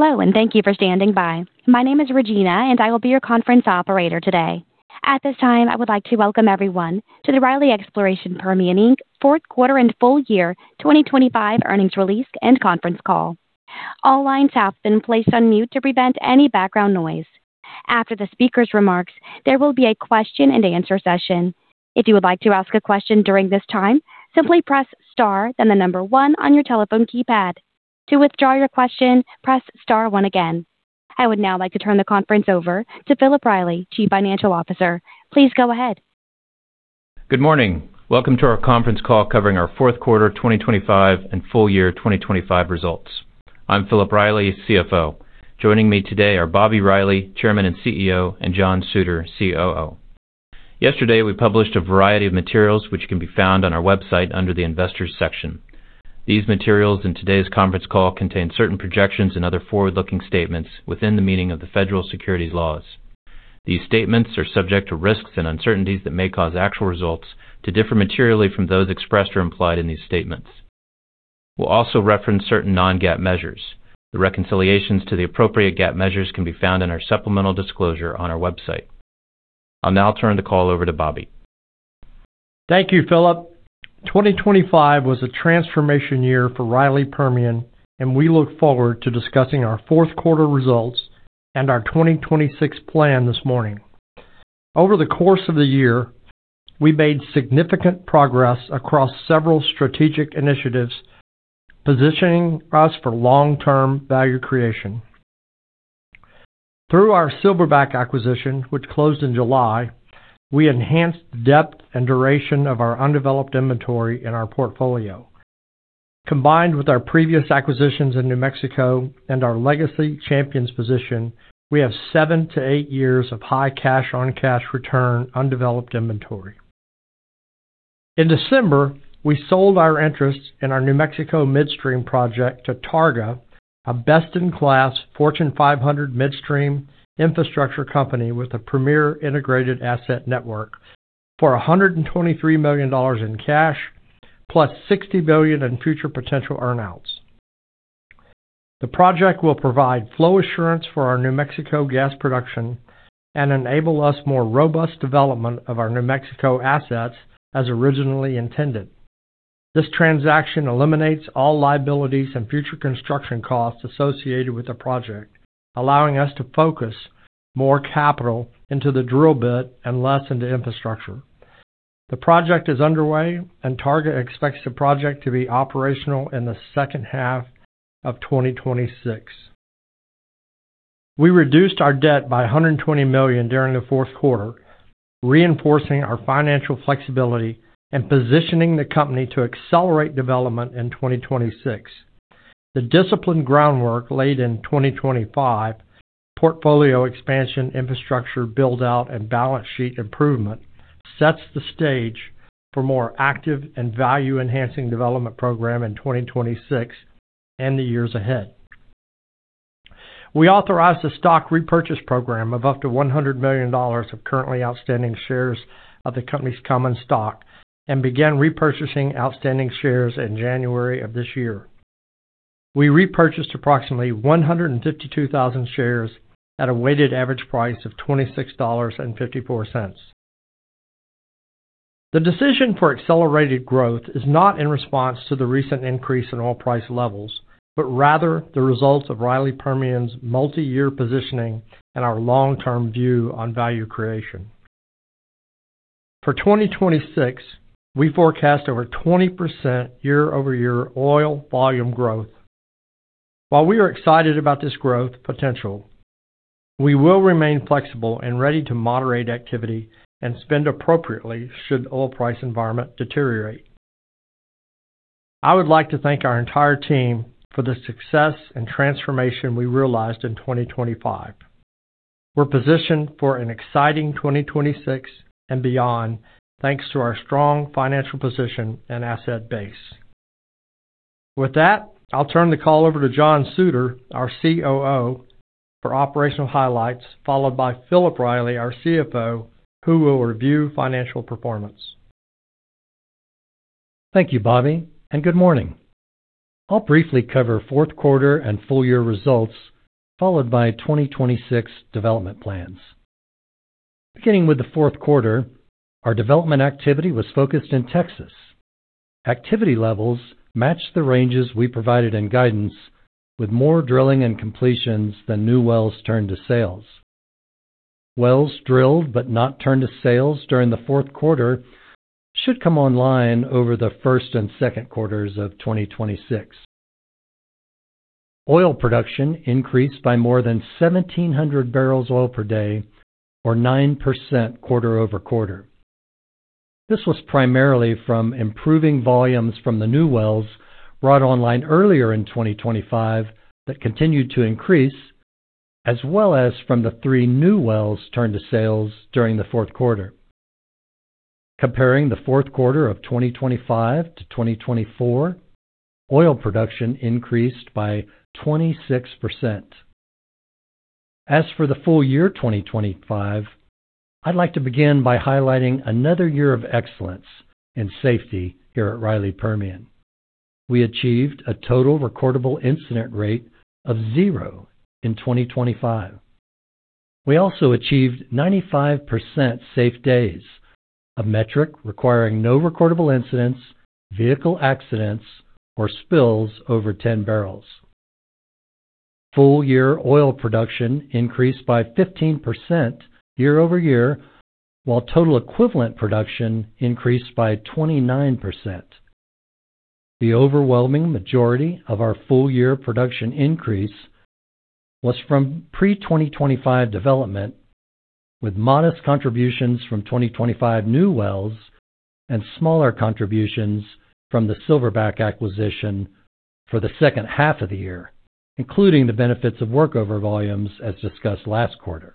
Hello, thank you for standing by. My name is Regina, I will be your conference operator today. At this time, I would like to welcome everyone to the Riley Exploration Permian Inc. Fourth Quarter and Full Year 2025 Earnings Release and Conference Call. All lines have been placed on mute to prevent any background noise. After the speakers' remarks, there will be a question-and-answer session. If you would like to ask a question during this time, simply press star then one on your telephone keypad. To withdraw your question, press star one again. I would now like to turn the conference over to Philip Riley, Chief Financial Officer. Please go ahead. Good morning. Welcome to our conference call covering our fourth quarter 2025 and full year 2025 results. I'm Philip Riley, CFO. Joining me today are Bobby Riley, Chairman and CEO, and John Suter, COO. Yesterday, we published a variety of materials which can be found on our website under the Investors section. These materials and today's conference call contain certain projections and other forward-looking statements within the meaning of the federal securities laws. These statements are subject to risks and uncertainties that may cause actual results to differ materially from those expressed or implied in these statements. We'll also reference certain non-GAAP measures. The reconciliations to the appropriate GAAP measures can be found in our supplemental disclosure on our website. I'll now turn the call over to Bobby. Thank you, Philip. 2025 was a transformation year for Riley Permian, we look forward to discussing our fourth quarter results and our 2026 plan this morning. Over the course of the year, we made significant progress across several strategic initiatives, positioning us for long-term value creation. Through our Silverback acquisition, which closed in July, we enhanced depth and duration of our undeveloped inventory in our portfolio. Combined with our previous acquisitions in New Mexico and our legacy Champions position, we have seven to eight years of high cash-on-cash return undeveloped inventory. In December, we sold our interest in our New Mexico midstream project to Targa, a best-in-class Fortune 500 midstream infrastructure company with a premier integrated asset network for $123 million in cash plus $60 billion in future potential earn-outs. The project will provide flow assurance for our New Mexico gas production and enable us more robust development of our New Mexico assets as originally intended. This transaction eliminates all liabilities and future construction costs associated with the project, allowing us to focus more capital into the drill bit and less into infrastructure. The project is underway, and Targa expects the project to be operational in the second half of 2026. We reduced our debt by $120 million during the fourth quarter, reinforcing our financial flexibility and positioning the company to accelerate development in 2026. The disciplined groundwork laid in 2025, portfolio expansion infrastructure build-out, and balance sheet improvement sets the stage for more active and value-enhancing development program in 2026 and the years ahead. We authorized a stock repurchase program of up to $100 million of currently outstanding shares of the company's common stock and began repurchasing outstanding shares in January of this year. We repurchased approximately 152,000 shares at a weighted average price of $26.54. The decision for accelerated growth is not in response to the recent increase in oil price levels, but rather the results of Riley Permian's multi-year positioning and our long-term view on value creation. For 2026, we forecast over 20% year-over-year oil volume growth. While we are excited about this growth potential, we will remain flexible and ready to moderate activity and spend appropriately should oil price environment deteriorate. I would like to thank our entire team for the success and transformation we realized in 2025. We're positioned for an exciting 2026 and beyond, thanks to our strong financial position and asset base. With that, I'll turn the call over to John Suter, our COO, for operational highlights, followed by Philip Riley, our CFO, who will review financial performance. Thank you, Bobby, and good morning. I'll briefly cover fourth quarter and full year results, followed by 2026 development plans. Beginning with the fourth quarter, our development activity was focused in Texas. Activity levels matched the ranges we provided in guidance with more drilling and completions than new wells turned to sales. Wells drilled but not turned to sales during the fourth quarter should come online over the first and second quarters of 2026. Oil production increased by more than 1,700 barrels oil per day or 9% quarter-over-quarter. This was primarily from improving volumes from the new wells brought online earlier in 2025 that continued to increase, as well as from the three new wells turned to sales during the fourth quarter. Comparing the fourth quarter of 2025, 2024, oil production increased by 26%. As for the full year 2025, I'd like to begin by highlighting another year of excellence and safety here at Riley Permian. We achieved a total recordable incident rate of zero in 2025. We also achieved 95% safe days, a metric requiring no recordable incidents, vehicle accidents, or spills over 10 barrels. Full year oil production increased by 15% year-over-year, while total equivalent production increased by 29%. The overwhelming majority of our full year production increase was from pre-2025 development, with modest contributions from 2025 new wells and smaller contributions from the Silverback acquisition for the second half of the year, including the benefits of workover volumes as discussed last quarter.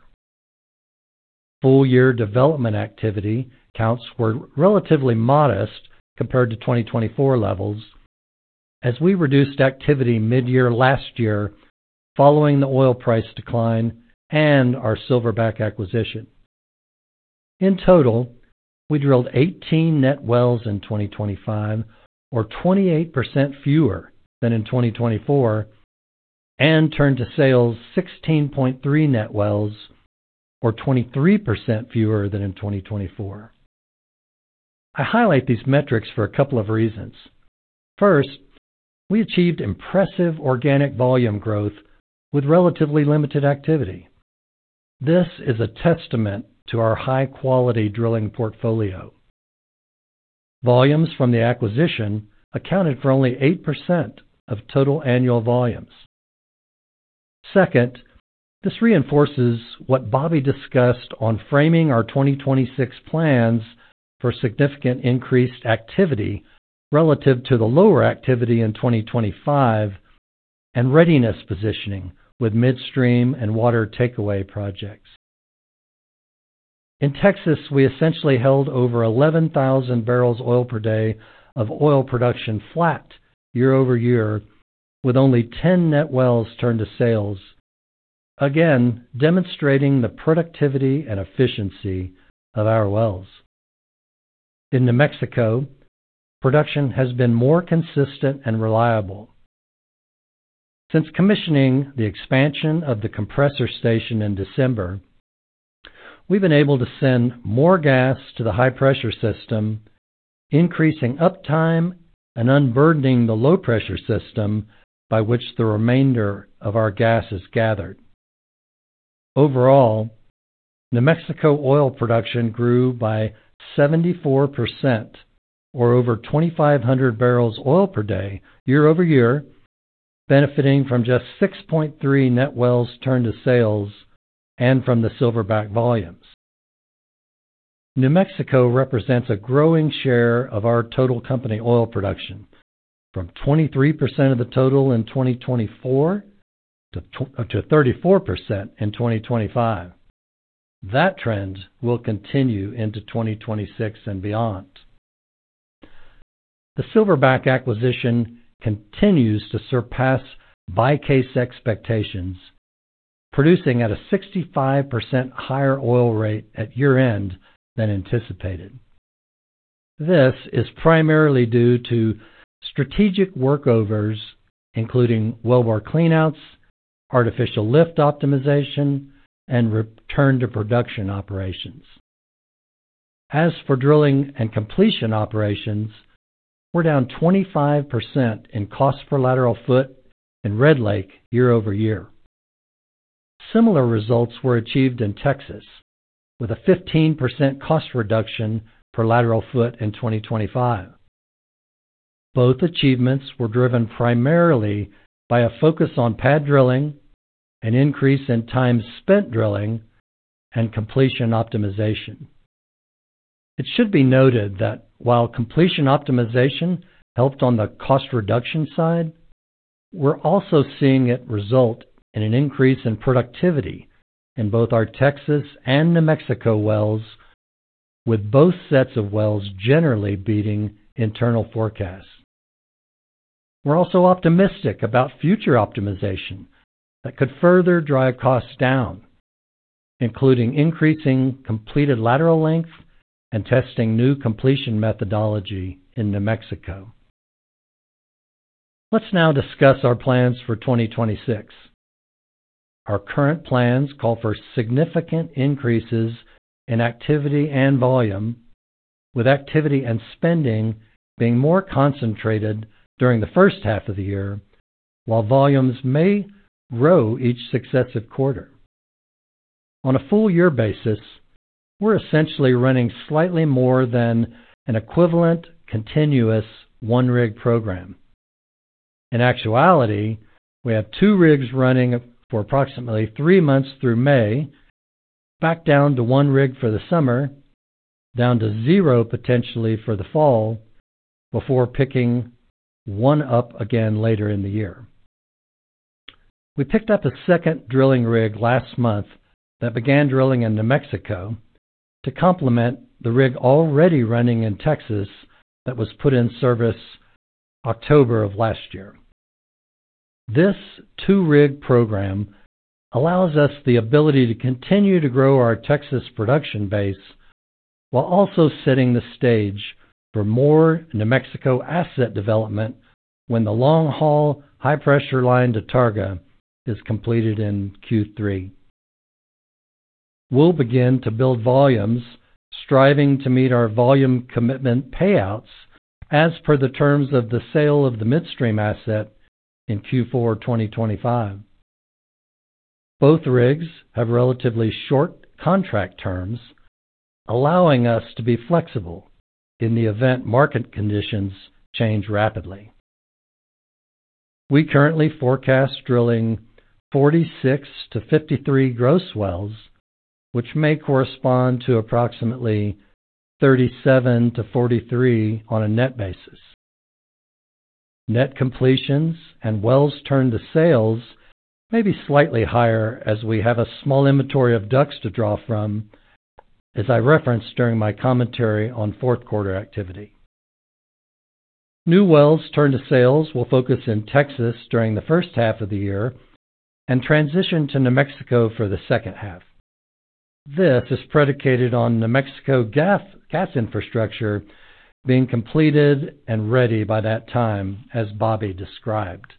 Full year development activity counts were relatively modest compared to 2024 levels as we reduced activity mid-year last year following the oil price decline and our Silverback acquisition. In total, we drilled 18 net wells in 2025 or 28% fewer than in 2024 and turned to sales 16.3 net wells or 23% fewer than in 2024. I highlight these metrics for a couple of reasons. First, we achieved impressive organic volume growth with relatively limited activity. This is a testament to our high-quality drilling portfolio. Volumes from the acquisition accounted for only 8% of total annual volumes. Second, this reinforces what Bobby discussed on framing our 2026 plans for significant increased activity relative to the lower activity in 2025 and readiness positioning with midstream and water takeaway projects. In Texas, we essentially held over 11,000 barrels oil per day of oil production flat year-over-year with only 10 net wells turned to sales, again demonstrating the productivity and efficiency of our wells. In New Mexico, production has been more consistent and reliable. Since commissioning the expansion of the compressor station in December, we've been able to send more gas to the high-pressure system, increasing uptime and unburdening the low-pressure system by which the remainder of our gas is gathered. Overall, New Mexico oil production grew by 74% or over 2,500 barrels oil per day year-over-year, benefiting from just 6.3 net wells turned to sales and from the Silverback volumes. New Mexico represents a growing share of our total company oil production from 23% of the total in 2024 to 34% in 2025. That trend will continue into 2026 and beyond. The Silverback acquisition continues to surpass by case expectations, producing at a 65% higher oil rate at year-end than anticipated. This is primarily due to strategic workovers, including well bore cleanouts, artificial lift optimization, and return to production operations. As for drilling and completion operations, we're down 25% in cost per lateral foot in Red Lake year-over-year. Similar results were achieved in Texas with a 15% cost reduction per lateral foot in 2025. Both achievements were driven primarily by a focus on pad drilling, an increase in time spent drilling, and completion optimization. It should be noted that while completion optimization helped on the cost reduction side, we're also seeing it result in an increase in productivity in both our Texas and New Mexico wells, with both sets of wells generally beating internal forecasts. We're also optimistic about future optimization that could further drive costs down, including increasing completed lateral length and testing new completion methodology in New Mexico. Let's now discuss our plans for 2026. Our current plans call for significant increases in activity and volume, with activity and spending being more concentrated during the first half of the year, while volumes may grow each successive quarter. On a full year basis, we're essentially running slightly more than an equivalent continuous one-rig program. In actuality, we have two rigs running for approximately three months through May, back down to one rig for the summer, down to zero potentially for the fall, before picking one up again later in the year. We picked up a second drilling rig last month that began drilling in New Mexico to complement the rig already running in Texas that was put in service October of last year. This two-rig program allows us the ability to continue to grow our Texas production base while also setting the stage for more New Mexico asset development when the long-haul, high-pressure line to Targa is completed in Q3. We'll begin to build volumes striving to meet our volume commitment payouts as per the terms of the sale of the midstream asset in Q4 2025. Both rigs have relatively short contract terms, allowing us to be flexible in the event market conditions change rapidly. We currently forecast drilling 46-53 gross wells, which may correspond to approximately 37-43 on a net basis. Net completions and wells turned to sales may be slightly higher as we have a small inventory of DUCs to draw from, as I referenced during my commentary on fourth quarter activity. New wells turned to sales will focus in Texas during the first half of the year and transition to New Mexico for the second half. This is predicated on New Mexico gas infrastructure being completed and ready by that time, as Bobby described.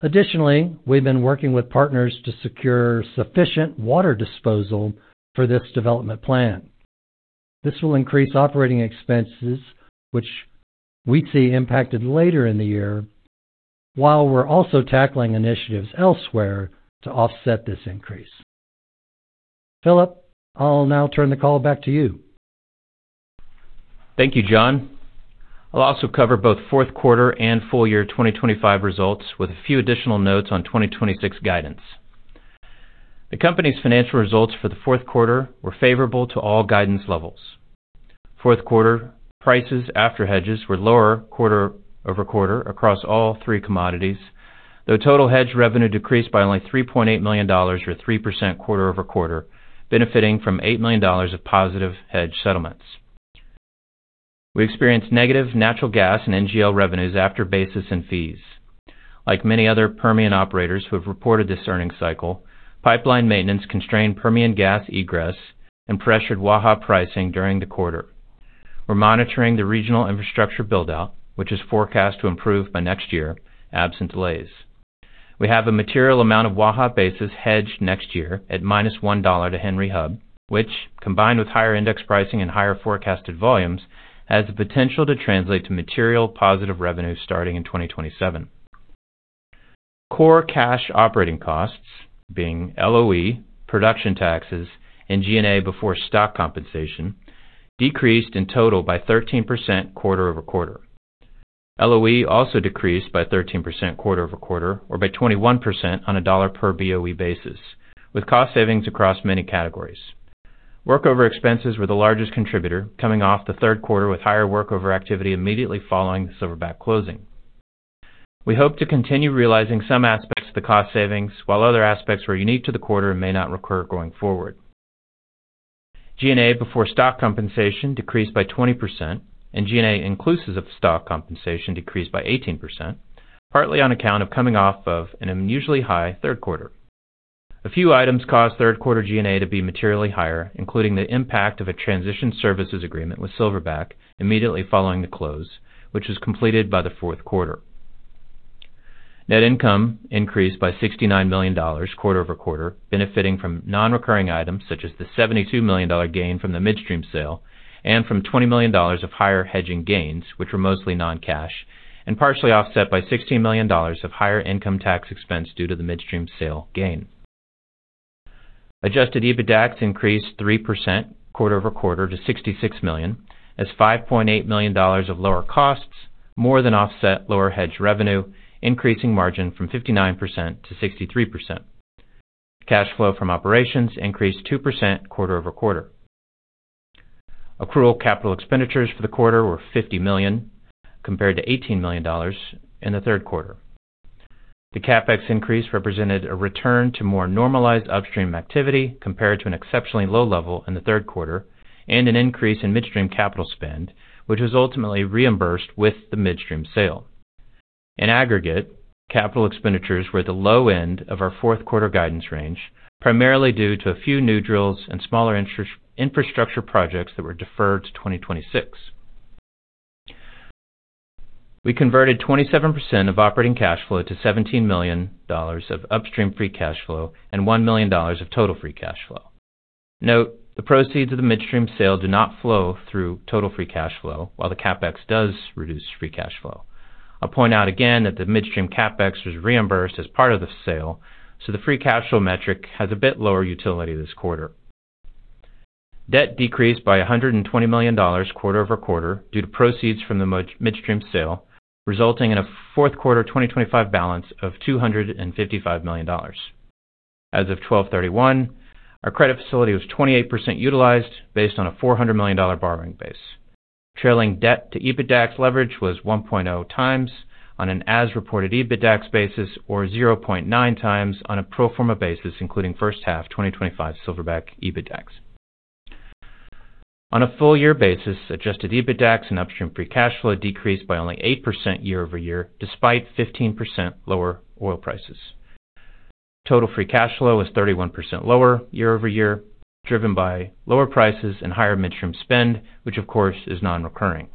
Additionally, we've been working with partners to secure sufficient water disposal for this development plan. This will increase operating expenses, which we'd see impacted later in the year, while we're also tackling initiatives elsewhere to offset this increase. Philip, I'll now turn the call back to you. Thank you, John. I'll also cover both fourth quarter and full year 2025 results with a few additional notes on 2026 guidance. The company's financial results for the fourth quarter were favorable to all guidance levels. Fourth quarter prices after hedges were lower quarter-over-quarter across all three commodities, though total hedge revenue decreased by only $3.8 million or 3% quarter-over-quarter, benefiting from $8 million of positive hedge settlements. We experienced negative natural gas and NGL revenues after basis and fees. Like many other Permian operators who have reported this earnings cycle, pipeline maintenance constrained Permian gas egress and pressured Waha pricing during the quarter. We're monitoring the regional infrastructure build-out, which is forecast to improve by next year, absent delays. We have a material amount of Waha basis hedged next year at -$1 to Henry Hub, which, combined with higher index pricing and higher forecasted volumes, has the potential to translate to material positive revenue starting in 2027. Core cash operating costs, being LOE, production taxes, and G&A before stock compensation, decreased in total by 13% quarter-over-quarter. LOE also decreased by 13% quarter-over-quarter or by 21% on a dollar per BOE basis, with cost savings across many categories. Workover expenses were the largest contributor, coming off the third quarter with higher workover activity immediately following the Silverback closing. We hope to continue realizing some aspects of the cost savings, while other aspects were unique to the quarter and may not recur going forward. G&A before stock compensation decreased by 20%, and G&A inclusive of stock compensation decreased by 18%, partly on account of coming off of an unusually high third quarter. A few items caused third quarter G&A to be materially higher, including the impact of a transition services agreement with Silverback immediately following the close, which was completed by the fourth quarter. Net income increased by $69 million quarter-over-quarter, benefiting from non-recurring items such as the $72 million gain from the midstream sale and from $20 million of higher hedging gains, which were mostly non-cash, and partially offset by $16 million of higher income tax expense due to the midstream sale gain. Adjusted EBITDAX increased 3% quarter-over-quarter to $66 million, as $5.8 million of lower costs more than offset lower hedge revenue, increasing margin from 59%-63%. Cash flow from operations increased 2% quarter-over-quarter. Accrual capital expenditures for the quarter were $50 million compared to $18 million in the third quarter. The CapEx increase represented a return to more normalized upstream activity compared to an exceptionally low level in the third quarter and an increase in midstream capital spend, which was ultimately reimbursed with the midstream sale. In aggregate, capital expenditures were the low end of our fourth quarter guidance range, primarily due to a few new drills and smaller infrastructure projects that were deferred to 2026. We converted 27% of operating cash flow to $17 million of upstream free cash flow and $1 million of total free cash flow. Note, the proceeds of the midstream sale do not flow through total free cash flow while the CapEx does reduce free cash flow. I'll point out again that the midstream CapEx was reimbursed as part of the sale, so the free cash flow metric has a bit lower utility this quarter. Debt decreased by $120 million quarter-over-quarter due to proceeds from the midstream sale, resulting in a fourth quarter 2025 balance of $255 million. As of 12/31, our credit facility was 28% utilized based on a $400 million borrowing base. Trailing debt to EBITDAX leverage was 1.0x on an as-reported EBITDAX basis or 0.9x on a pro forma basis, including first half 2025 Silverback EBITDAX. A full year basis, Adjusted EBITDAX and upstream free cash flow decreased by only 8% year-over-year, despite 15% lower oil prices. Total free cash flow is 31% lower year-over-year, driven by lower prices and higher midstream spend, which of course is non-recurring.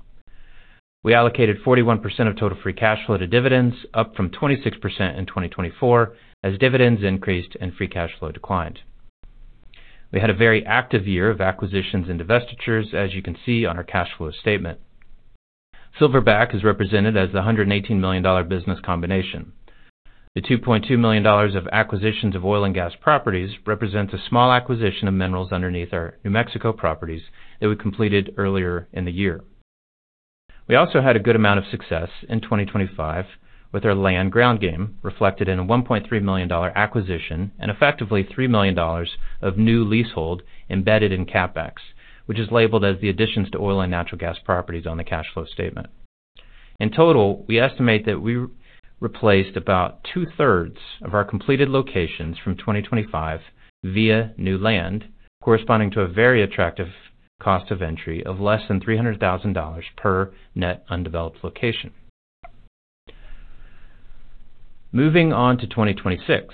We allocated 41% of total free cash flow to dividends, up from 26% in 2024 as dividends increased and free cash flow declined. We had a very active year of acquisitions and divestitures, as you can see on our cash flow statement. Silverback is represented as the $118 million business combination. The $2.2 million of acquisitions of oil and gas properties represents a small acquisition of minerals underneath our New Mexico properties that we completed earlier in the year. We also had a good amount of success in 2025 with our land ground game, reflected in a $1.3 million acquisition and effectively $3 million of new leasehold embedded in CapEx, which is labeled as the additions to oil and natural gas properties on the cash flow statement. In total, we estimate that we replaced about two-thirds of our completed locations from 2025 via new land, corresponding to a very attractive cost of entry of less than $300,000 per net undeveloped location. Moving on to 2026,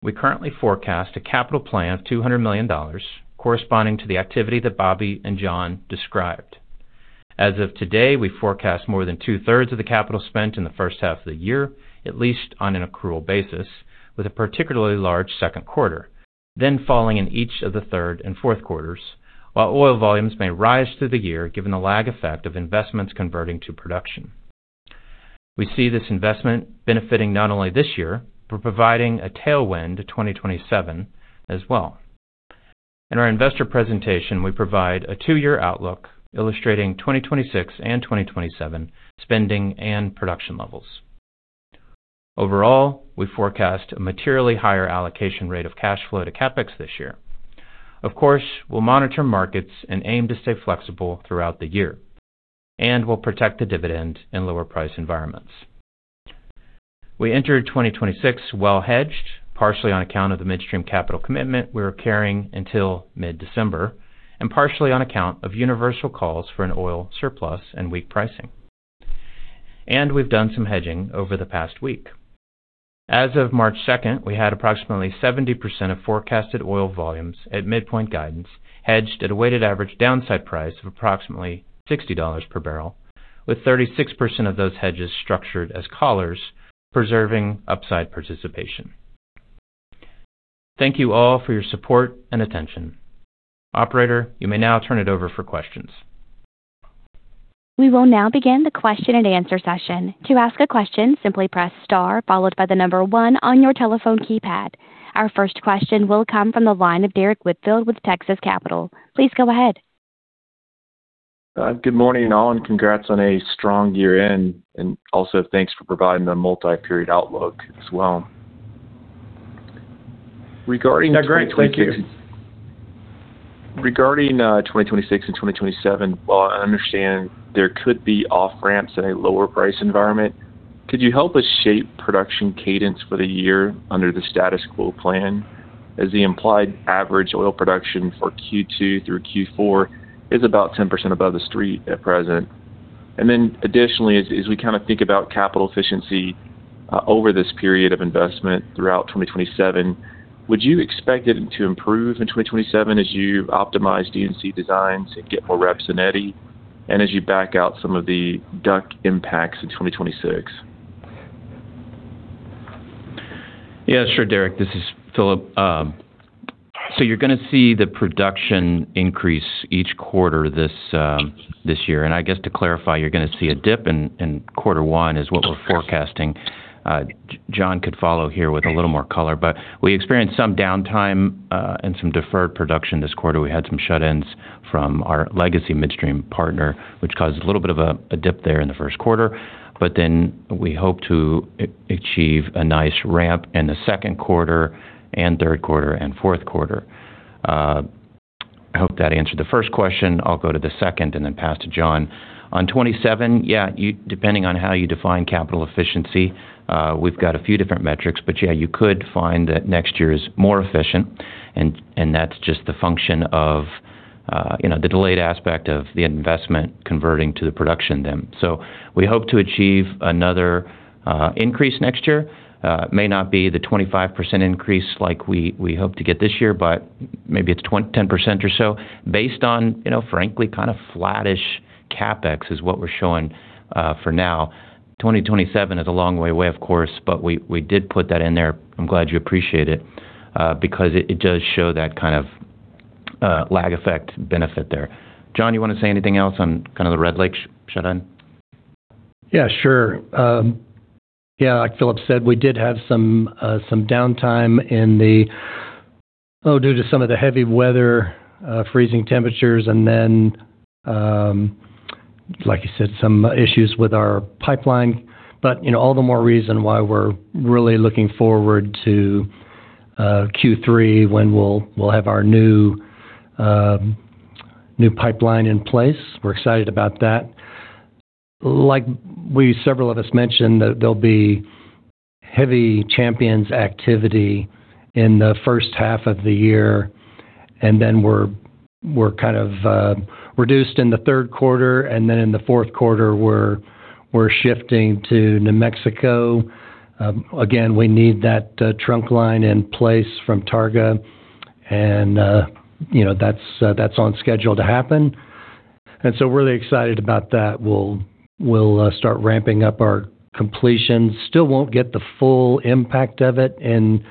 we currently forecast a capital plan of $200 million, corresponding to the activity that Bobby and John described. As of today, we forecast more than two-thirds of the capital spent in the first half of the year, at least on an accrual basis, with a particularly large second quarter, then falling in each of the third and fourth quarters, while oil volumes may rise through the year given the lag effect of investments converting to production. We see this investment benefiting not only this year, but providing a tailwind to 2027 as well. In our investor presentation, we provide a two-year outlook illustrating 2026 and 2027 spending and production levels. Overall, we forecast a materially higher allocation rate of cash flow to CapEx this year. Of course, we'll monitor markets and aim to stay flexible throughout the year, and we'll protect the dividend in lower price environments. We entered 2026 well hedged, partially on account of the midstream capital commitment we were carrying until mid-December, and partially on account of universal calls for an oil surplus and weak pricing. We've done some hedging over the past week. As of March 2nd, we had approximately 70% of forecasted oil volumes at midpoint guidance hedged at a weighted average downside price of approximately $60 per barrel, with 36% of those hedges structured as callers preserving upside participation. Thank you all for your support and attention. Operator, you may now turn it over for questions. We will now begin the question-and-answer session. To ask a question, simply press star followed by one on your telephone keypad. Our first question will come from the line of Derrick Whitfield with Texas Capital. Please go ahead. Good morning, all, and congrats on a strong year-end, and also thanks for providing the multi-period outlook as well. Great. Thank you. Regarding 2026 and 2027, while I understand there could be off-ramps in a lower price environment, could you help us shape production cadence for the year under the status quo plan as the implied average oil production for Q2 through Q4 is about 10% above the street at present. Additionally, as we kinda think about capital efficiency over this period of investment throughout 2027, would you expect it to improve in 2027 as you optimize DNC designs and get more reps in Eddy and as you back out some of the DUC impacts in 2026? Yeah, sure, Derrick. This is Philip. You're gonna see the production increase each quarter this year. I guess to clarify, you're gonna see a dip in quarter one is what we're forecasting. John could follow here with a little more color, but we experienced some downtime and some deferred production this quarter. We had some shut-ins from our legacy midstream partner, which caused a little bit of a dip there in the first quarter. We hope to achieve a nice ramp in the second quarter and third quarter and fourth quarter. I hope that answered the first question. I'll go to the second and then pass to John. On 2027, yeah, depending on how you define capital efficiency, we've got a few different metrics, but yeah, you could find that next year is more efficient and that's just the function of, you know, the delayed aspect of the investment converting to the production then. We hope to achieve another increase next year. It may not be the 25% increase like we hope to get this year, but maybe it's 10% or so based on, you know, frankly, kind of flattish CapEx is what we're showing for now. 2027 is a long way away, of course. We, we did put that in there. I'm glad you appreciate it, because it does show that kind of lag effect benefit there. John, you wanna say anything else on kind of the Red Lake shut-in? Yeah, sure. Yeah, like Philip said, we did have some downtime due to some of the heavy weather, freezing temperatures, and then, like you said, some issues with our pipeline. You know, all the more reason why we're really looking forward to Q3 when we'll have our new pipeline in place. We're excited about that. Like we, several of us mentioned that there'll be heavy Champions activity in the first half of the year, and then we're kind of reduced in the third quarter, and then in the fourth quarter we're shifting to New Mexico. Again, we need that trunk line in place from Targa and, you know, that's on schedule to happen. We're really excited about that. We'll start ramping up our completion. Still won't get the full impact of it in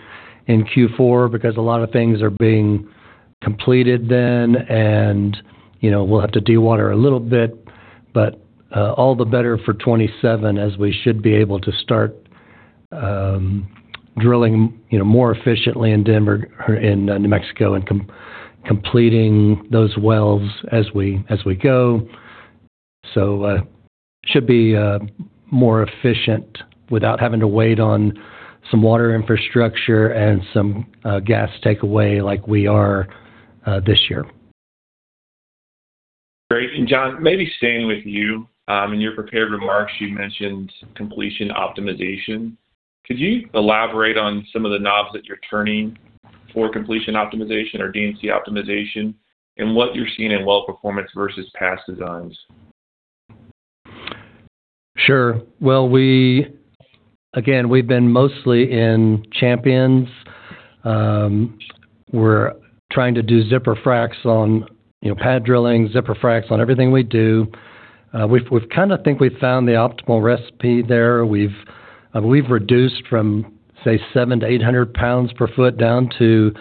Q4 because a lot of things are being completed then and, you know, we'll have to dewater a little bit. All the better for 27 as we should be able to start drilling, you know, more efficiently in Denver or in New Mexico and completing those wells as we go. Should be more efficient without having to wait on some water infrastructure and some gas takeaway like we are this year. Great. John, maybe staying with you, in your prepared remarks you mentioned completion optimization. Could you elaborate on some of the knobs that you're turning for completion optimization or D&C optimization and what you're seeing in well performance versus past designs? Sure. Well, again, we've been mostly in Champions, we're trying to do zipper fracs on, you know, pad drilling, zipper fracs on everything we do. We've, we've kinda think we've found the optimal recipe there. We've, we've reduced from, say, 700-800 pounds per foot down to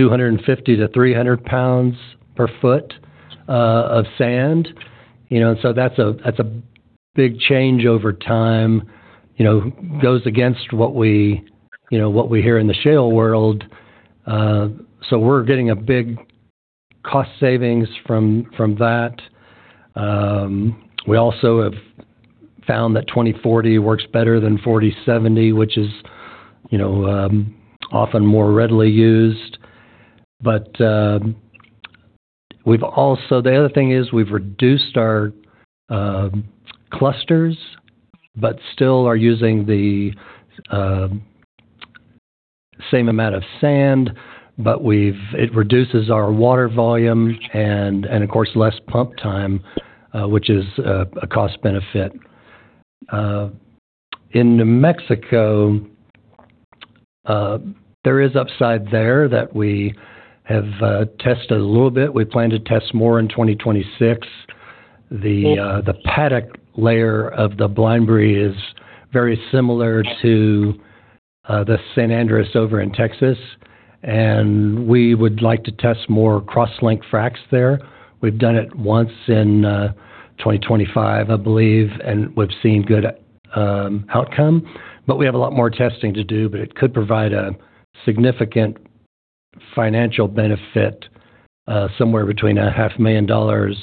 250-300 pounds per foot of sand. You know, that's a, that's a big change over time. You know, goes against what we, you know, what we hear in the shale world. We're getting a big cost savings from that. We also have found that 20/40 works better than 40/70, which is, you know, often more readily used. We've also... The other thing is we've reduced our clusters, but still are using the same amount of sand, but it reduces our water volume and of course less pump time, which is a cost benefit. In New Mexico, there is upside there that we have tested a little bit. We plan to test more in 2026. The Paddock layer of the Blinebry is very similar to the San Andres over in Texas, and we would like to test more crosslink fracs there. We've done it once in 2025, I believe, and we've seen good outcome. We have a lot more testing to do, but it could provide a significant financial benefit, somewhere between a $500,000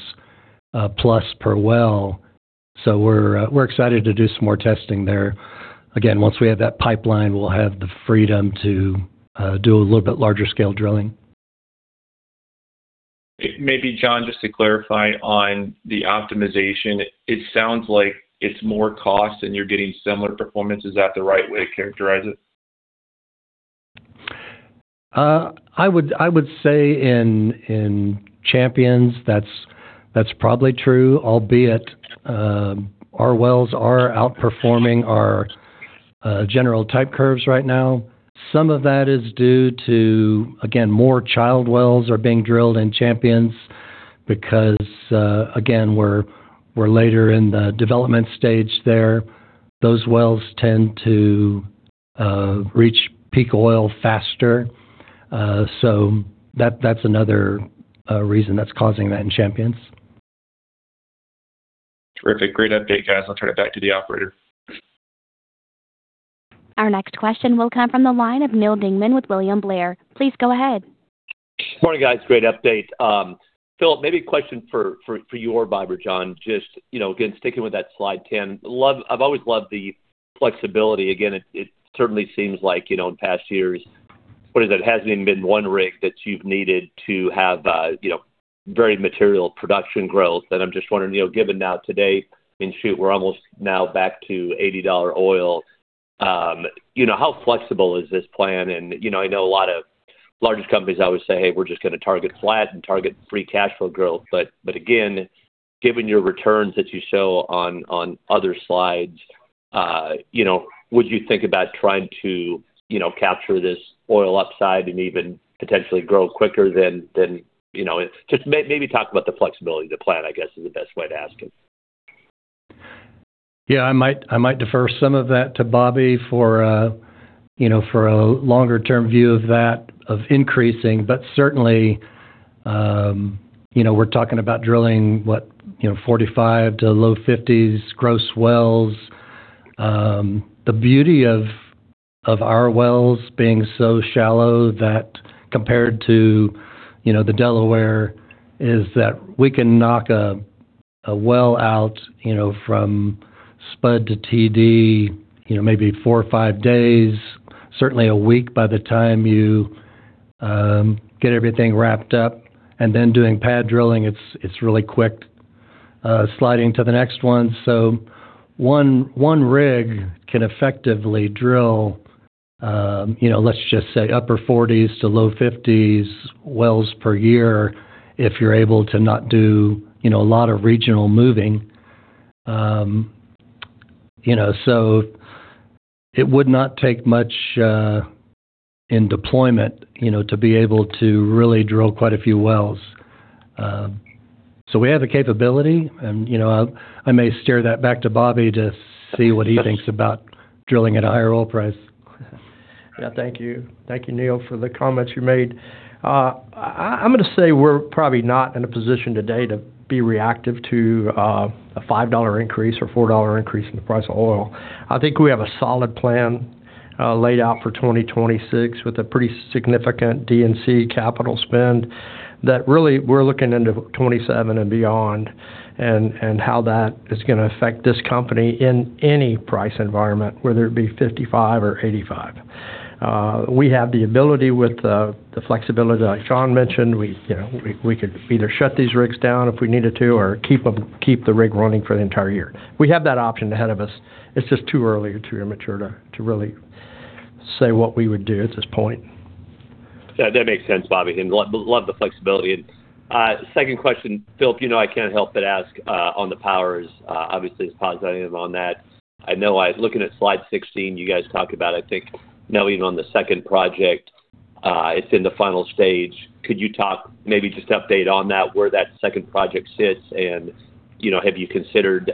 plus per well. We're excited to do some more testing there. Once we have that pipeline, we'll have the freedom to do a little bit larger scale drilling. Maybe, John, just to clarify on the optimization. It sounds like it's more cost and you're getting similar performance. Is that the right way to characterize it? I would say in Champions that's probably true, albeit our wells are outperforming our general type curves right now. Some of that is due to, again, more child wells are being drilled in Champions because, again, we're later in the development stage there. Those wells tend to reach peak oil faster. That's another reason that's causing that in Champions. Terrific. Great update, guys. I'll turn it back to the operator. Our next question will come from the line of Neal Dingmann with William Blair. Please go ahead. Morning, guys. Great update. Philip, maybe a question for you or Bob or John, just, you know, again, sticking with that slide 10. I've always loved the flexibility. Again, it certainly seems like, you know, in past years, what is it? There hasn't even been one rig that you've needed to have, you know, very material production growth. I'm just wondering, you know, given now today, and shoot, we're almost now back to $80 oil, you know, how flexible is this plan? You know, I know a lot of largest companies always say, "Hey, we're just gonna target flat and target free cash flow growth." Again, given your returns that you show on other slides, you know, would you think about trying to, you know, capture this oil upside and even potentially grow quicker than, you know... Just maybe talk about the flexibility of the plan, I guess, is the best way to ask it? Yeah. I might defer some of that to Bobby for, you know, for a longer term view of that, of increasing. Certainly, you know, we're talking about drilling what? You know, 45 to low 50s gross wells. The beauty of our wells being so shallow that compared to, you know, the Delaware is that we can knock a well out, you know, from Spud to TD, you know, maybe four or five days, certainly a week by the time you get everything wrapped up. Doing pad drilling, it's really quick. Sliding to the next one. One rig can effectively drill, you know, let's just say upper 40s to low 50s wells per year if you're able to not do, you know, a lot of regional moving. You know, so it would not take much in deployment, you know, to be able to really drill quite a few wells. We have the capability and, you know, I may steer that back to Bobby to see what he thinks about drilling at a higher oil price. Yeah. Thank you. Thank you, Neal, for the comments you made. I'm gonna say we're probably not in a position today to be reactive to a $5 increase or $4 increase in the price of oil. I think we have a solid plan laid out for 2026 with a pretty significant D&C capital spend that really we're looking into 2027 and beyond and how that is gonna affect this company in any price environment, whether it be $55 or $85. We have the ability with the flexibility like Sean mentioned. We could either shut these rigs down if we needed to or keep the rig running for the entire year. We have that option ahead of us. It's just too early or too immature to really say what we would do at this point. Yeah, that makes sense, Bobby. Love the flexibility. Second question, Phil, you know I can't help but ask on the power is obviously positive on that. I know I was looking at slide 16, you guys talked about, I think, knowing on the second project, it's in the final stage. Could you talk maybe just update on that, where that second project sits? You know, have you considered,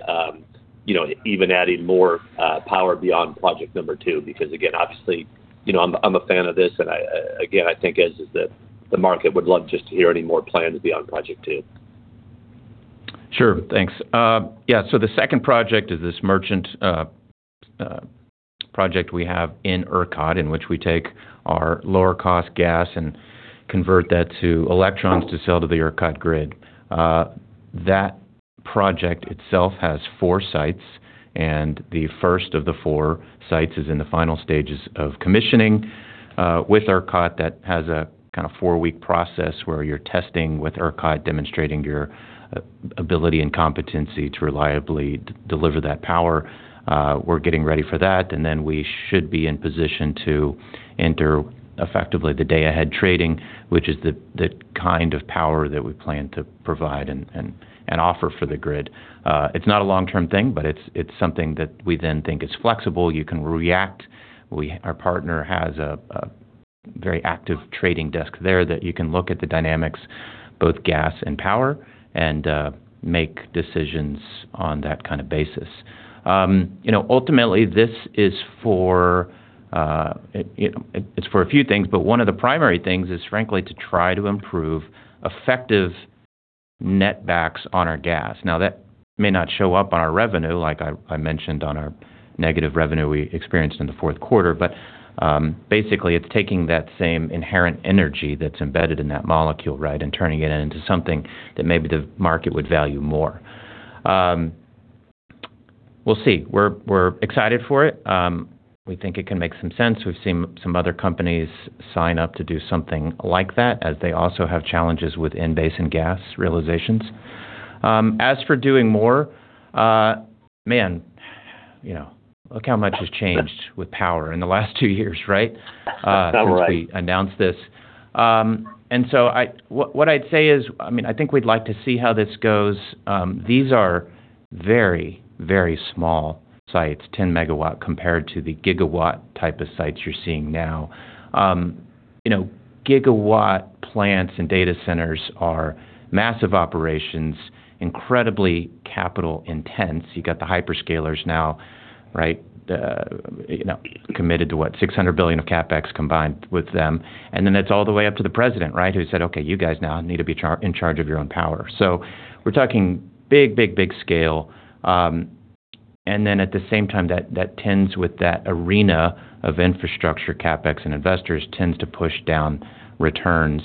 you know, even adding more power beyond project 2? Again, obviously, you know, I'm a fan of this, and I, again, I think as is the market would love just to hear any more plans beyond project 2. Sure. Thanks. Yeah. The second project is this merchant project we have in ERCOT, in which we take our lower cost gas and convert that to electrons to sell to the ERCOT grid. That project itself has four sites, and the first of the four sites is in the final stages of commissioning with ERCOT that has a kinda four-week process where you're testing with ERCOT, demonstrating your ability and competency to reliably deliver that power. We're getting ready for that, we should be in position to enter effectively the day-ahead trading, which is the kind of power that we plan to provide and offer for the grid. It's not a long-term thing, it's something that we then think is flexible. You can react. Our partner has a very active trading desk there that you can look at the dynamics, both gas and power, and make decisions on that kind of basis. you know, ultimately, this is for, you know, it's for a few things, but one of the primary things is, frankly, to try to improve effective net backs on our gas. Now, that may not show up on our revenue, like I mentioned on our negative revenue we experienced in the fourth quarter. Basically it's taking that same inherent energy that's embedded in that molecule, right? Turning it into something that maybe the market would value more. We'll see. We're excited for it. We think it can make some sense. We've seen some other companies sign up to do something like that as they also have challenges with in-basin gas realizations. As for doing more, man, you know, look how much has changed with power in the last two years, right? Right. Since we announced this. What I'd say is, I mean, I think we'd like to see how this goes. These are very, very small sites, 10 MW compared to the gigawatt type of sites you're seeing now. You know, gigawatt plants and data centers are massive operations, incredibly capital intense. You got the hyperscalers now, right? You know, committed to, what, $600 billion of CapEx combined with them. It's all the way up to the president, right? Who said, "Okay, you guys now need to be in charge of your own power." We're talking big, big, big scale. At the same time, that tends with that arena of infrastructure CapEx and investors tends to push down returns.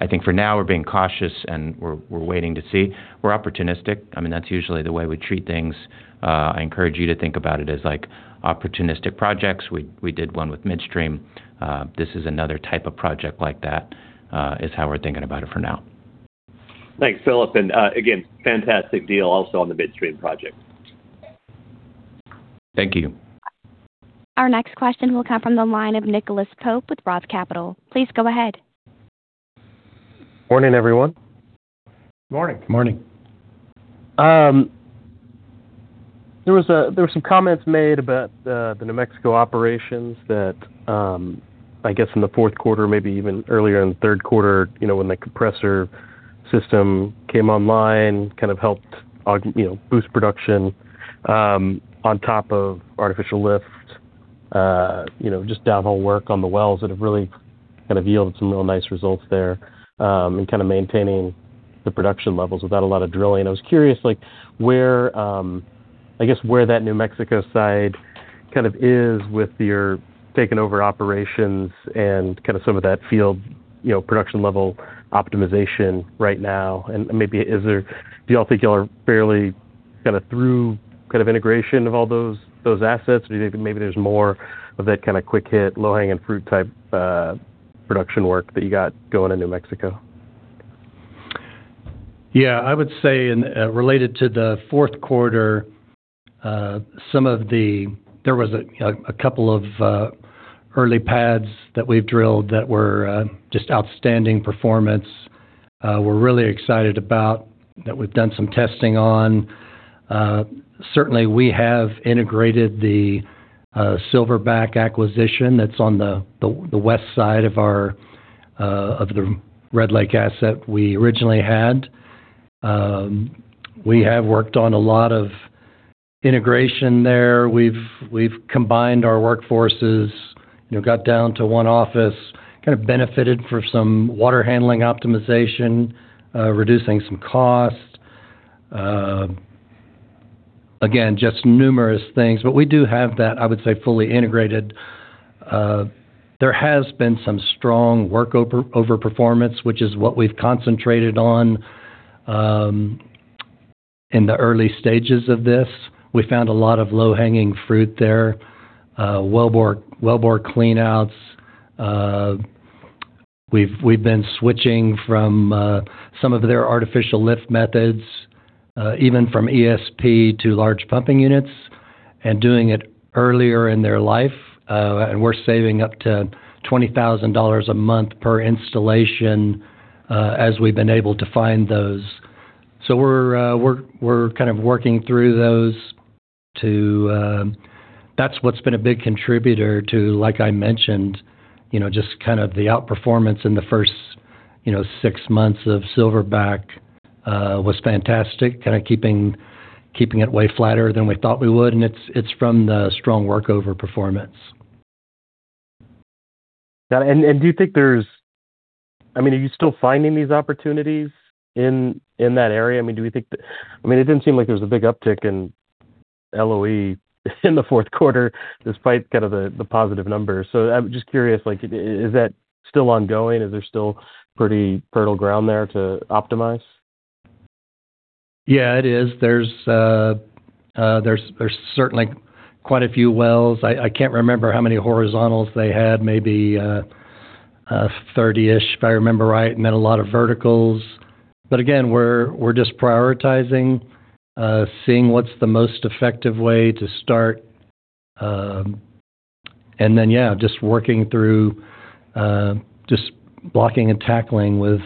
I think for now we're being cautious, and we're waiting to see. We're opportunistic. I mean, that's usually the way we treat things. I encourage you to think about it as, like, opportunistic projects. We did one with Midstream. This is another type of project like that, is how we're thinking about it for now. Thanks, Philip. Again, fantastic deal also on the midstream project. Thank you. Our next question will come from the line of Nicholas Pope with Roth Capital. Please go ahead. Morning, everyone. Morning. Morning. There were some comments made about the New Mexico operations that, I guess in the fourth quarter, maybe even earlier in the third quarter, you know, when the compressor system came online, kind of helped you know, boost production, on top of artificial lift, you know, just downhole work on the wells that have really kind of yielded some real nice results there, in kinda maintaining the production levels without a lot of drilling. I was curious, like, where, I guess, where that New Mexico side kind of is with your taking over operations and kind of some of that field, you know, production level optimization right now. Do you all think y'all are barely kinda through kind of integration of all those assets? Do you think maybe there's more of that kinda quick hit, low-hanging fruit type, production work that you got going in New Mexico? I would say in related to the fourth quarter, there was a couple of early pads that we've drilled that were just outstanding performance, we're really excited about that we've done some testing on. Certainly we have integrated the Silverback acquisition that's on the west side of our of the Red Lake asset we originally had. We have worked on a lot of integration there. We've combined our workforces, you know, got down to one office, kind of benefited from some water handling optimization, reducing some costs. Again, just numerous things. We do have that, I would say, fully integrated. There has been some strong work over performance, which is what we've concentrated on in the early stages of this. We found a lot of low-hanging fruit there. wellbore cleanouts. We've been switching from some of their artificial lift methods, even from ESP to large pumping units and doing it earlier in their life. We're saving up to $20,000 a month per installation, as we've been able to find those. We're kind of working through those to. That's what's been a big contributor to, like I mentioned, you know, just kind of the outperformance in the first, you know, six months of Silverback was fantastic. Kinda keeping it way flatter than we thought we would. It's from the strong work over performance. Got it. Do you think, I mean, are you still finding these opportunities in that area? I mean, it didn't seem like there was a big uptick in LOE in the fourth quarter, despite kind of the positive numbers. I'm just curious, like is that still ongoing? Is there still pretty fertile ground there to optimize? Yeah, it is. There's certainly quite a few wells. I can't remember how many horizontals they had. Maybe 30-ish, if I remember right. A lot of verticals. Again, we're just prioritizing seeing what's the most effective way to start. Yeah, just working through just blocking and tackling with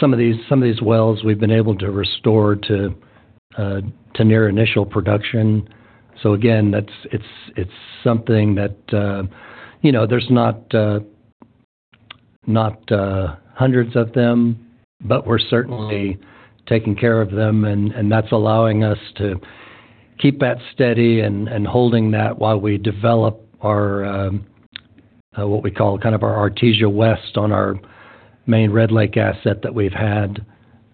some of these wells we've been able to restore to near initial production. Again, that's. It's something that, you know, there's not hundreds of them, but we're certainly taking care of them. That's allowing us to keep that steady and holding that while we develop our what we call kind of our Artesia West on our main Red Lake asset that we've had.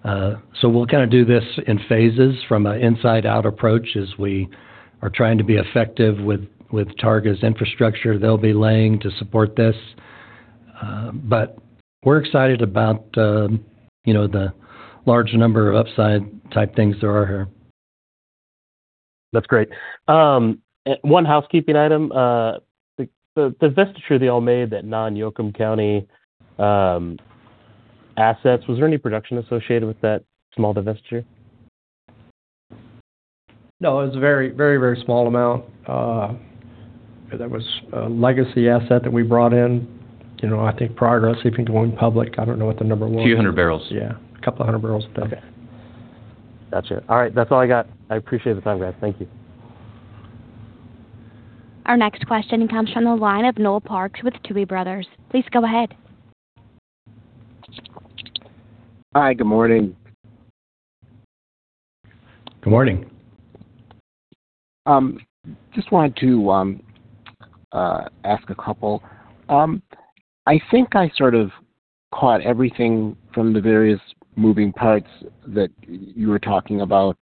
We'll kinda do this in phases from an inside out approach as we are trying to be effective with Targa's infrastructure they'll be laying to support this. We're excited about, you know, the large number of upside type things there are here. That's great. One housekeeping item. The divestiture that y'all made, that non-Yoakum County, assets, was there any production associated with that small divestiture? No. It was a very, very, very small amount. That was a legacy asset that we brought in. You know, I think progress, if you go in public, I don't know what the number was. Few 100 barrels. Yeah. A couple of hundred barrels. Okay. Gotcha. All right. That's all I got. I appreciate the time, guys. Thank you. Our next question comes from the line of Noel Parks with Tuohy Brothers. Please go ahead. Hi. Good morning. Good morning. Just wanted to ask a couple. I think I sort of caught everything from the various moving parts that you were talking about,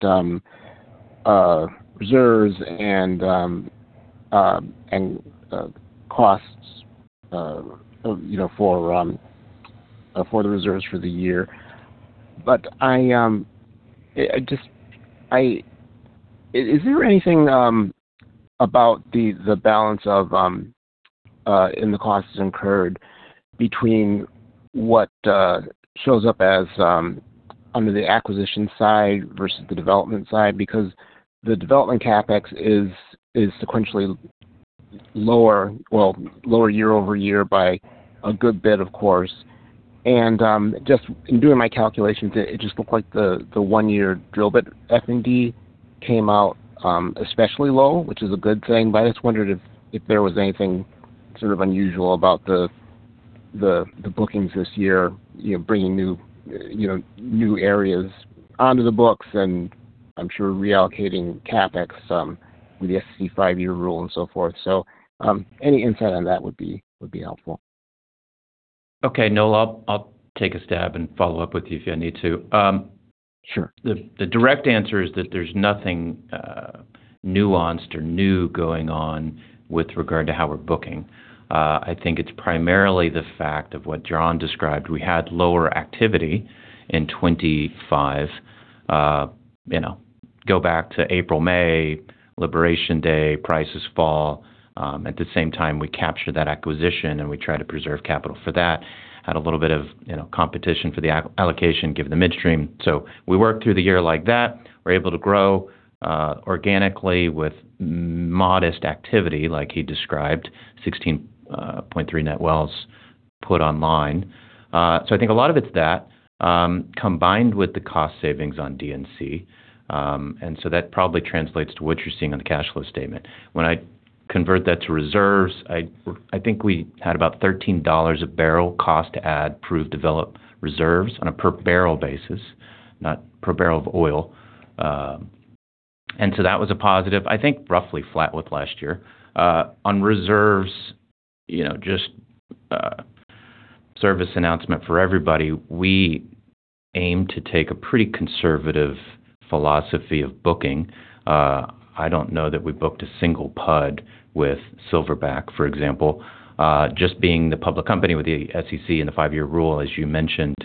reserves and costs, you know, for the reserves for the year. Is there anything about the balance of in the costs incurred between what shows up as under the acquisition side versus the development side? The development CapEx is sequentially lower, well, lower year-over-year by a good bit, of course. Just in doing my calculations, it just looked like the one-year drill bit F&D came out, especially low, which is a good thing, but I just wondered if there was anything sort of unusual about the bookings this year, you know, bringing new, you know, new areas onto the books and I'm sure reallocating CapEx with the SEC five-year rule and so forth. Any insight on that would be helpful. Okay, Noel, I'll take a stab and follow up with you if you need to. Sure. The direct answer is that there's nothing, nuanced or new going on with regard to how we're booking. I think it's primarily the fact of what John described. We had lower activity in 25. You know, go back to April, May, Liberation Day, prices fall. At the same time, we capture that acquisition, and we try to preserve capital for that. Had a little bit of, you know, competition for the all-allocation, given the midstream. So we work through the year like that. We're able to grow organically with modest activity, like he described, 16.3 net wells put online. So I think a lot of it's that, combined with the cost savings on DNC. That probably translates to what you're seeing on the cash flow statement. When I convert that to reserves, I think we had about $13 a barrel cost to add proved developed reserves on a per barrel basis, not per barrel of oil. That was a positive. I think roughly flat with last year. On reserves, you know, just service announcement for everybody, we aim to take a pretty conservative philosophy of booking. I don't know that we booked a single PUD with Silverback, for example. Just being the public company with the SEC and the five-year rule, as you mentioned,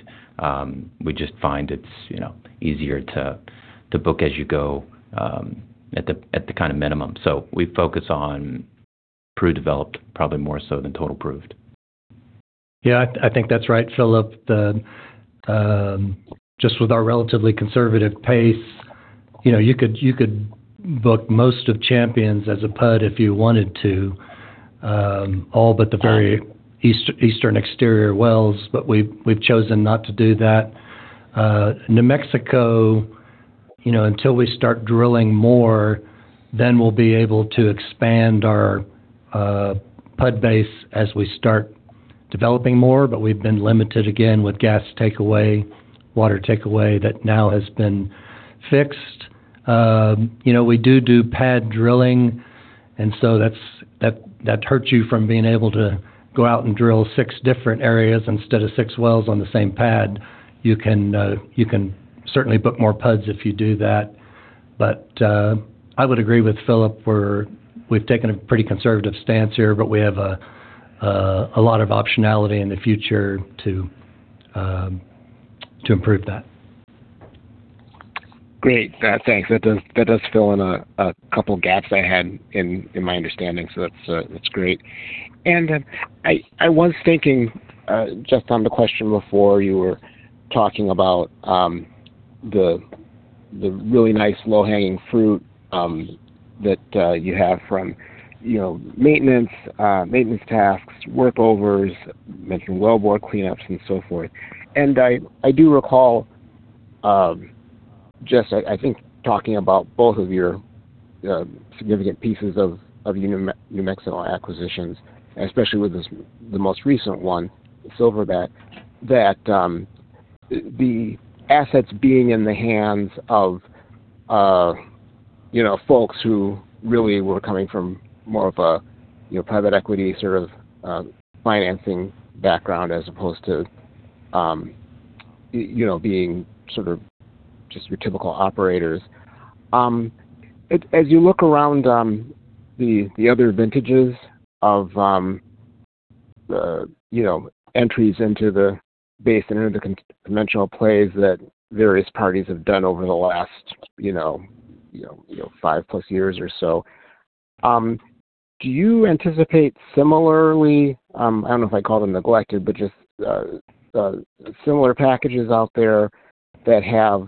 we just find it's, you know, easier to book as you go at the kind of minimum. We focus on pre-developed probably more so than total proved. Yeah. I think that's right, Philip. Just with our relatively conservative pace, you know, you could, you could book most of Champions as a PUD if you wanted to, all but the very east-eastern exterior wells, but we've chosen not to do that. New Mexico, you know, until we start drilling more, then we'll be able to expand our PUD base as we start developing more. We've been limited again with gas takeaway, water takeaway that now has been fixed. You know, we do pad drilling, and so that hurts you from being able to go out and drill six different areas instead of six wells on the same pad. You can, you can certainly book more PUDs if you do that. I would agree with Philip. we've taken a pretty conservative stance here, but we have a lot of optionality in the future to improve that. Great. Thanks. That does fill in a couple gaps I had in my understanding. That's great. I was thinking just on the question before you were talking about the really nice low-hanging fruit that you have from, you know, maintenance tasks, workovers, mentioned wellbore cleanups and so forth. I do recall just like I think talking about both of your significant pieces of New Mexico acquisitions, especially with this, the most recent one, Silverback, that the assets being in the hands of, you know, folks who really were coming from more of a, you know, private equity sort of financing background as opposed to, you know, being sort of just your typical operators. As you look around, the other vintages of, you know, entries into the basin and into conventional plays that various parties have done over the last, you know, five-plus years or so, do you anticipate similarly, I don't know if I call them neglected, but just similar packages out there that have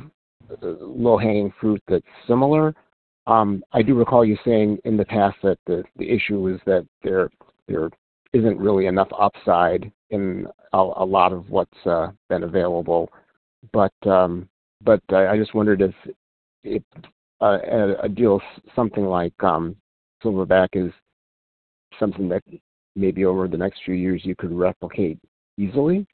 low-hanging fruit that's similar? I do recall you saying in the past that the issue is that there isn't really enough upside in a lot of what's been available. I just wondered if a deal something like Silverback is something that maybe over the next few years you could replicate easily.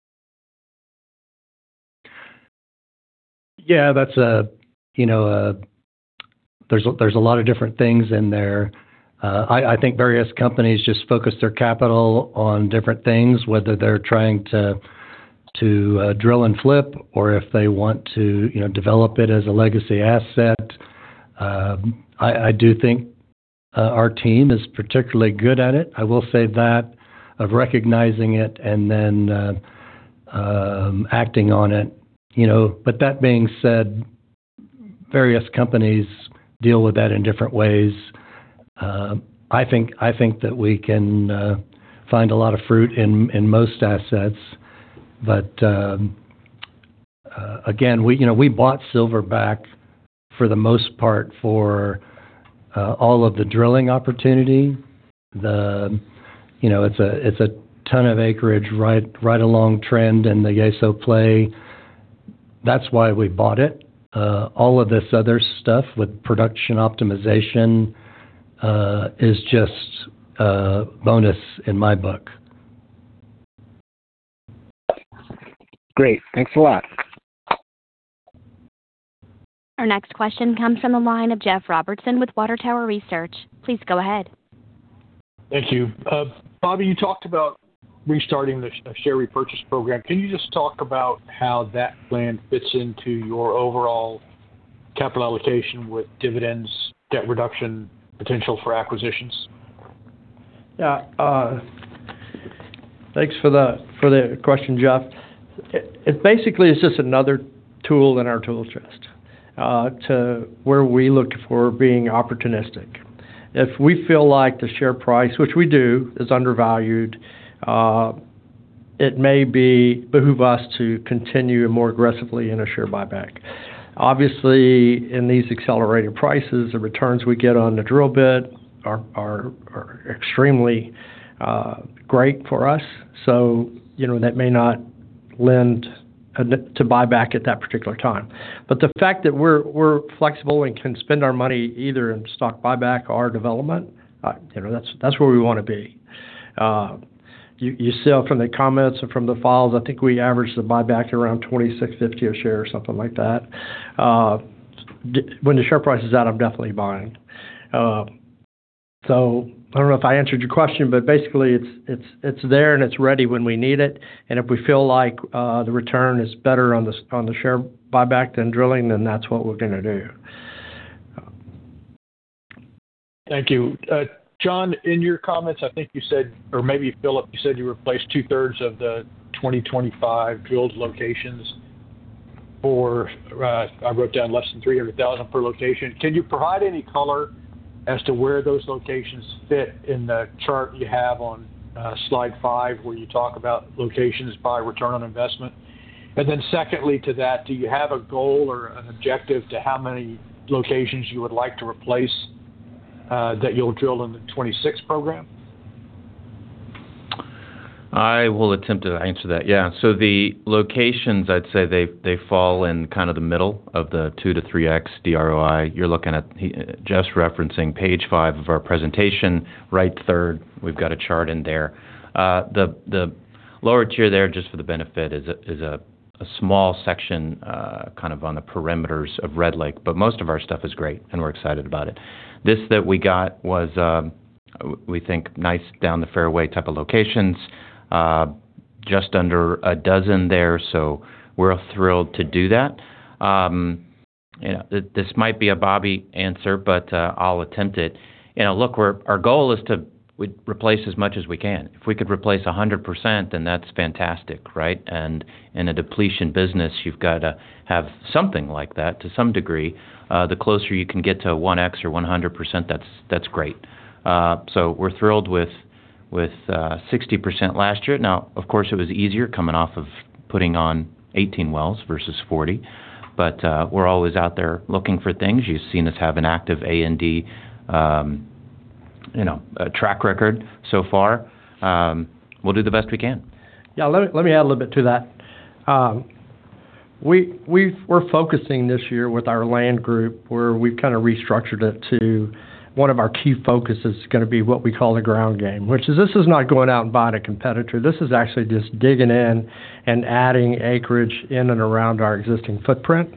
That's a, you know. There's a lot of different things in there. I think various companies just focus their capital on different things, whether they're trying to drill and flip or if they want to, you know, develop it as a legacy asset. I do think our team is particularly good at it, I will say that, of recognizing it and then acting on it, you know. That being said, various companies deal with that in different ways. I think that we can find a lot of fruit in most assets. Again, we, you know, we bought Silverback for the most part for all of the drilling opportunity. You know, it's a ton of acreage, right along trend in the Yeso play. That's why we bought it. All of this other stuff with production optimization, is just bonus in my book. Great. Thanks a lot. Our next question comes from the line of Jeff Robertson with Water Tower Research. Please go ahead. Thank you. Bobby, you talked about restarting the share repurchase program. Can you just talk about how that plan fits into your overall capital allocation with dividends, debt reduction, potential for acquisitions? Yeah. Thanks for the question, Jeff. It basically is just another tool in our tool chest to where we look for being opportunistic. If we feel like the share price, which we do, is undervalued, it may behoove us to continue more aggressively in a share buyback. Obviously, in these accelerated prices, the returns we get on the drill bit are extremely great for us. You know, that may not lend to buyback at that particular time. The fact that we're flexible and can spend our money either in stock buyback or development, you know, that's where we wanna be. You saw from the comments and from the files, I think we averaged the buyback around $26.50 a share or something like that. When the share price is out, I'm definitely buying. I don't know if I answered your question, but basically it's, it's there and it's ready when we need it, and if we feel like the return is better on the share buyback than drilling, then that's what we're gonna do. Thank you. John, in your comments, I think you said, or maybe Philip, you said you replaced two-thirds of the 2025 drilled locations for, I wrote down less than $300,000 per location. Can you provide any color as to where those locations fit in the chart you have on, slide five, where you talk about locations by return on investment? Secondly to that, do you have a goal or an objective to how many locations you would like to replace, that you'll drill in the 2026 program? I will attempt to answer that. Yeah. The locations, I'd say they fall in kind of the middle of the 2-3x ROI. You're looking at just referencing page five of our presentation. Third, we've got a chart in there. The, the lower tier there, just for the benefit, is a, is a small section, kind of on the perimeters of Red Lake, but most of our stuff is great, and we're excited about it. This that we got was, we think nice down the fairway type of locations, just under a dozen there. We're thrilled to do that. Yeah, this might be a Bobby answer, but I'll attempt it. You know, look, our goal is to replace as much as we can. If we could replace 100%, then that's fantastic, right? In a depletion business, you've got to have something like that to some degree. The closer you can get to 1x or 100%, that's great. We're thrilled with 60% last year. Now, of course, it was easier coming off of putting on 18 wells versus 40, we're always out there looking for things. You've seen us have an active A&D, you know, a track record so far. We'll do the best we can. Yeah, let me, let me add a little bit to that. We're focusing this year with our land group, where we've kind of restructured it to one of our key focus is going to be what we call the ground game, which is this is not going out and buying a competitor. This is actually just digging in and adding acreage in and around our existing footprint.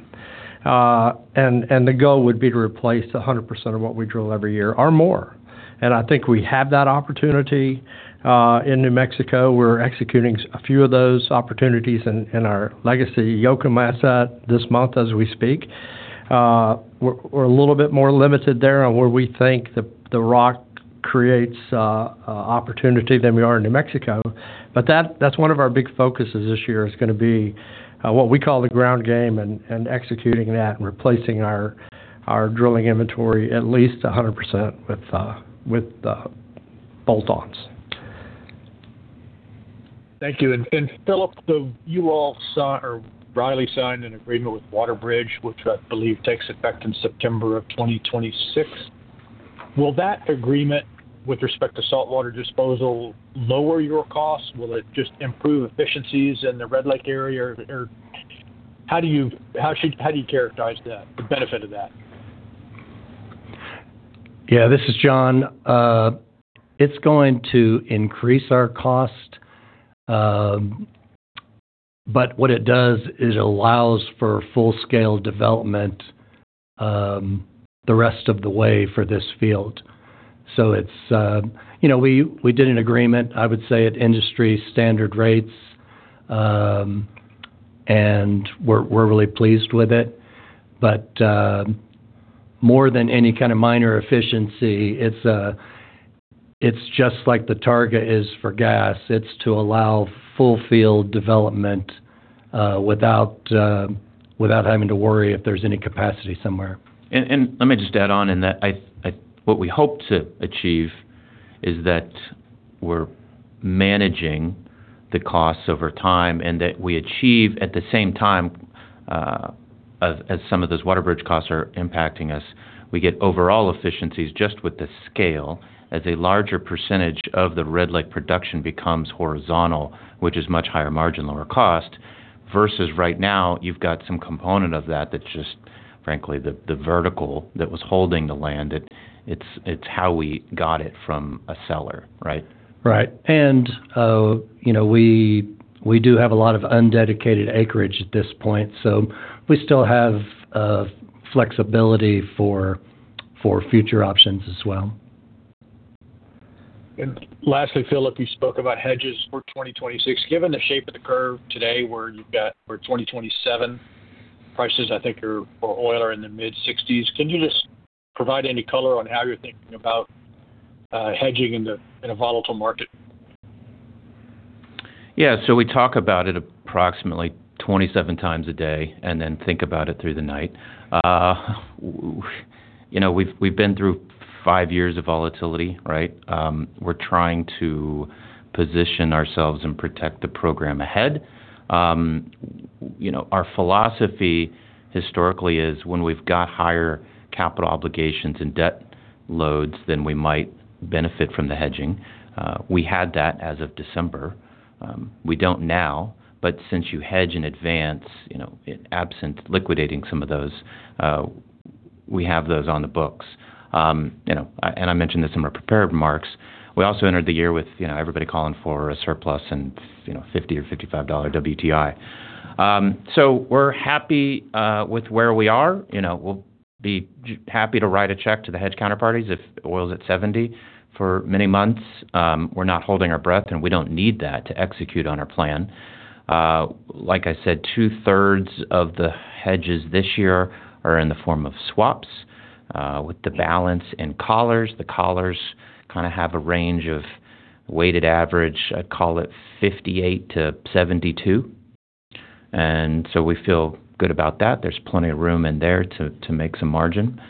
The goal would be to replace 100% of what we drill every year or more. I think we have that opportunity in New Mexico. We're executing a few of those opportunities in our legacy Yoakum set this month as we speak. We're a little bit more limited there on where we think the rock creates opportunity than we are in New Mexico. That's one of our big focuses this year is gonna be what we call the ground game and executing that and replacing our drilling inventory at least 100% with bolt-ons. Thank you. Philip. Riley signed an agreement with WaterBridge, which I believe takes effect in September of 2026. Will that agreement with respect to saltwater disposal lower your costs? Will it just improve efficiencies in the Red Lake area? Or how do you characterize that, the benefit of that? This is John. It's going to increase our cost. What it does is it allows for full-scale development the rest of the way for this field. It's, you know, we did an agreement, I would say, at industry standard rates, and we're really pleased with it. More than any kind of minor efficiency, it's just like the Targa is for gas. It's to allow full field development without having to worry if there's any capacity somewhere. Let me just add on in that what we hope to achieve is that we're managing the costs over time and that we achieve at the same time, as some of those WaterBridge costs are impacting us, we get overall efficiencies just with the scale as a larger percentage of the Red Lake production becomes horizontal, which is much higher margin, lower cost, versus right now you've got some component of that that's just frankly the vertical that was holding the land. It's how we got it from a seller, right? Right. you know, we do have a lot of undedicated acreage at this point, so we still have flexibility for future options as well. Lastly, Philip, you spoke about hedges for 2026. Given the shape of the curve today, where you've got for 2027 prices, I think are for oil are in the mid-sixties. Can you just provide any color on how you're thinking about hedging in a volatile market? Yeah. We talk about it approximately 27x a day and then think about it through the night. you know, we've been through five years of volatility, right? We're trying to position ourselves and protect the program ahead. you know, our philosophy historically is when we've got higher capital obligations and debt loads, then we might benefit from the hedging. We had that as of December. We don't now, since you hedge in advance, you know, absent liquidating some of those, we have those on the books. you know, and I mentioned this in my prepared remarks. We also entered the year with, you know, everybody calling for a surplus and, you know, $50 or $55 WTI. We're happy, with where we are. You know, we'll be happy to write a check to the hedge counterparties if oil's at $70 for many months. We're not holding our breath, and we don't need that to execute on our plan. Like I said, 2/3 of the hedges this year are in the form of swaps, with the balance in collars. The collars kinda have a range of weighted average, I'd call it $58-$72. We feel good about that. There's plenty of room in there to make some margin.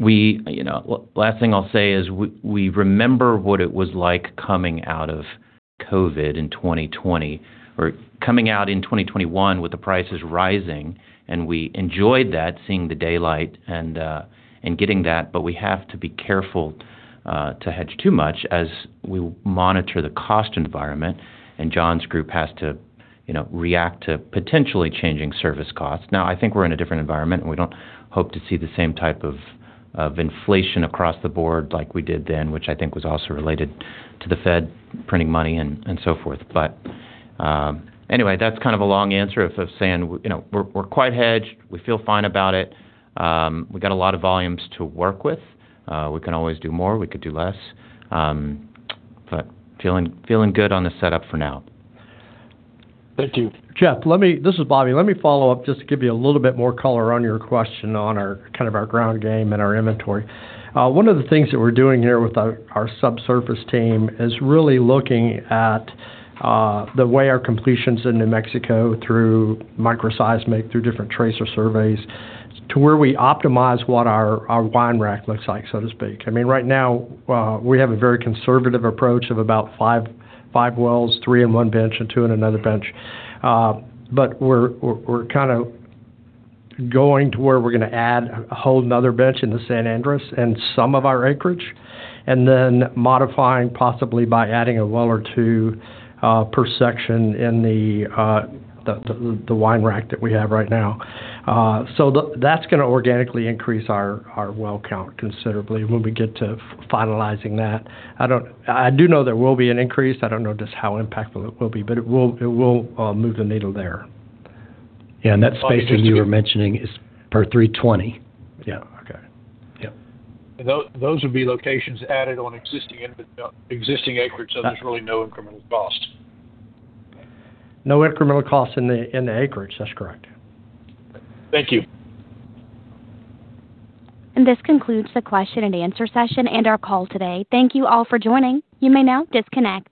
We, you know... Last thing I'll say is we remember what it was like coming out of COVID in 2020 or coming out in 2021 with the prices rising, and we enjoyed that, seeing the daylight and getting that. We have to be careful to hedge too much as we monitor the cost environment. John's group has to, you know, react to potentially changing service costs. I think we're in a different environment, and we don't hope to see the same type of inflation across the board like we did then, which I think was also related to the Fed printing money and so forth. Anyway, that's kind of a long answer of saying, you know, we're quite hedged. We feel fine about it. We've got a lot of volumes to work with. We can always do more, we could do less. Feeling good on the setup for now. Thank you. Jeff, this is Bobby. Let me follow up just to give you a little bit more color on your question on our kind of our ground game and our inventory. One of the things that we're doing here with our subsurface team is really looking at the way our completions in New Mexico through microseismic, through different tracer surveys, to where we optimize what our wine rack looks like, so to speak. I mean, right now, we have a very conservative approach of about five wells, three in one bench and two in another bench. We're kind of going to where we're gonna add a whole another bench in the San Andres and some of our acreage, and then modifying possibly by adding a well or two per section in the wine rack that we have right now. That's gonna organically increase our well count considerably when we get to finalizing that. I don't. I do know there will be an increase. I don't know just how impactful it will be, but it will move the needle there. Yeah. That space that you were mentioning is per 320. Yeah. Okay. Yeah. Those would be locations added on existing acreage, so there's really no incremental cost. No incremental cost in the acreage. That's correct. Thank you. This concludes the question-and-answer session and our call today. Thank you all for joining. You may now disconnect.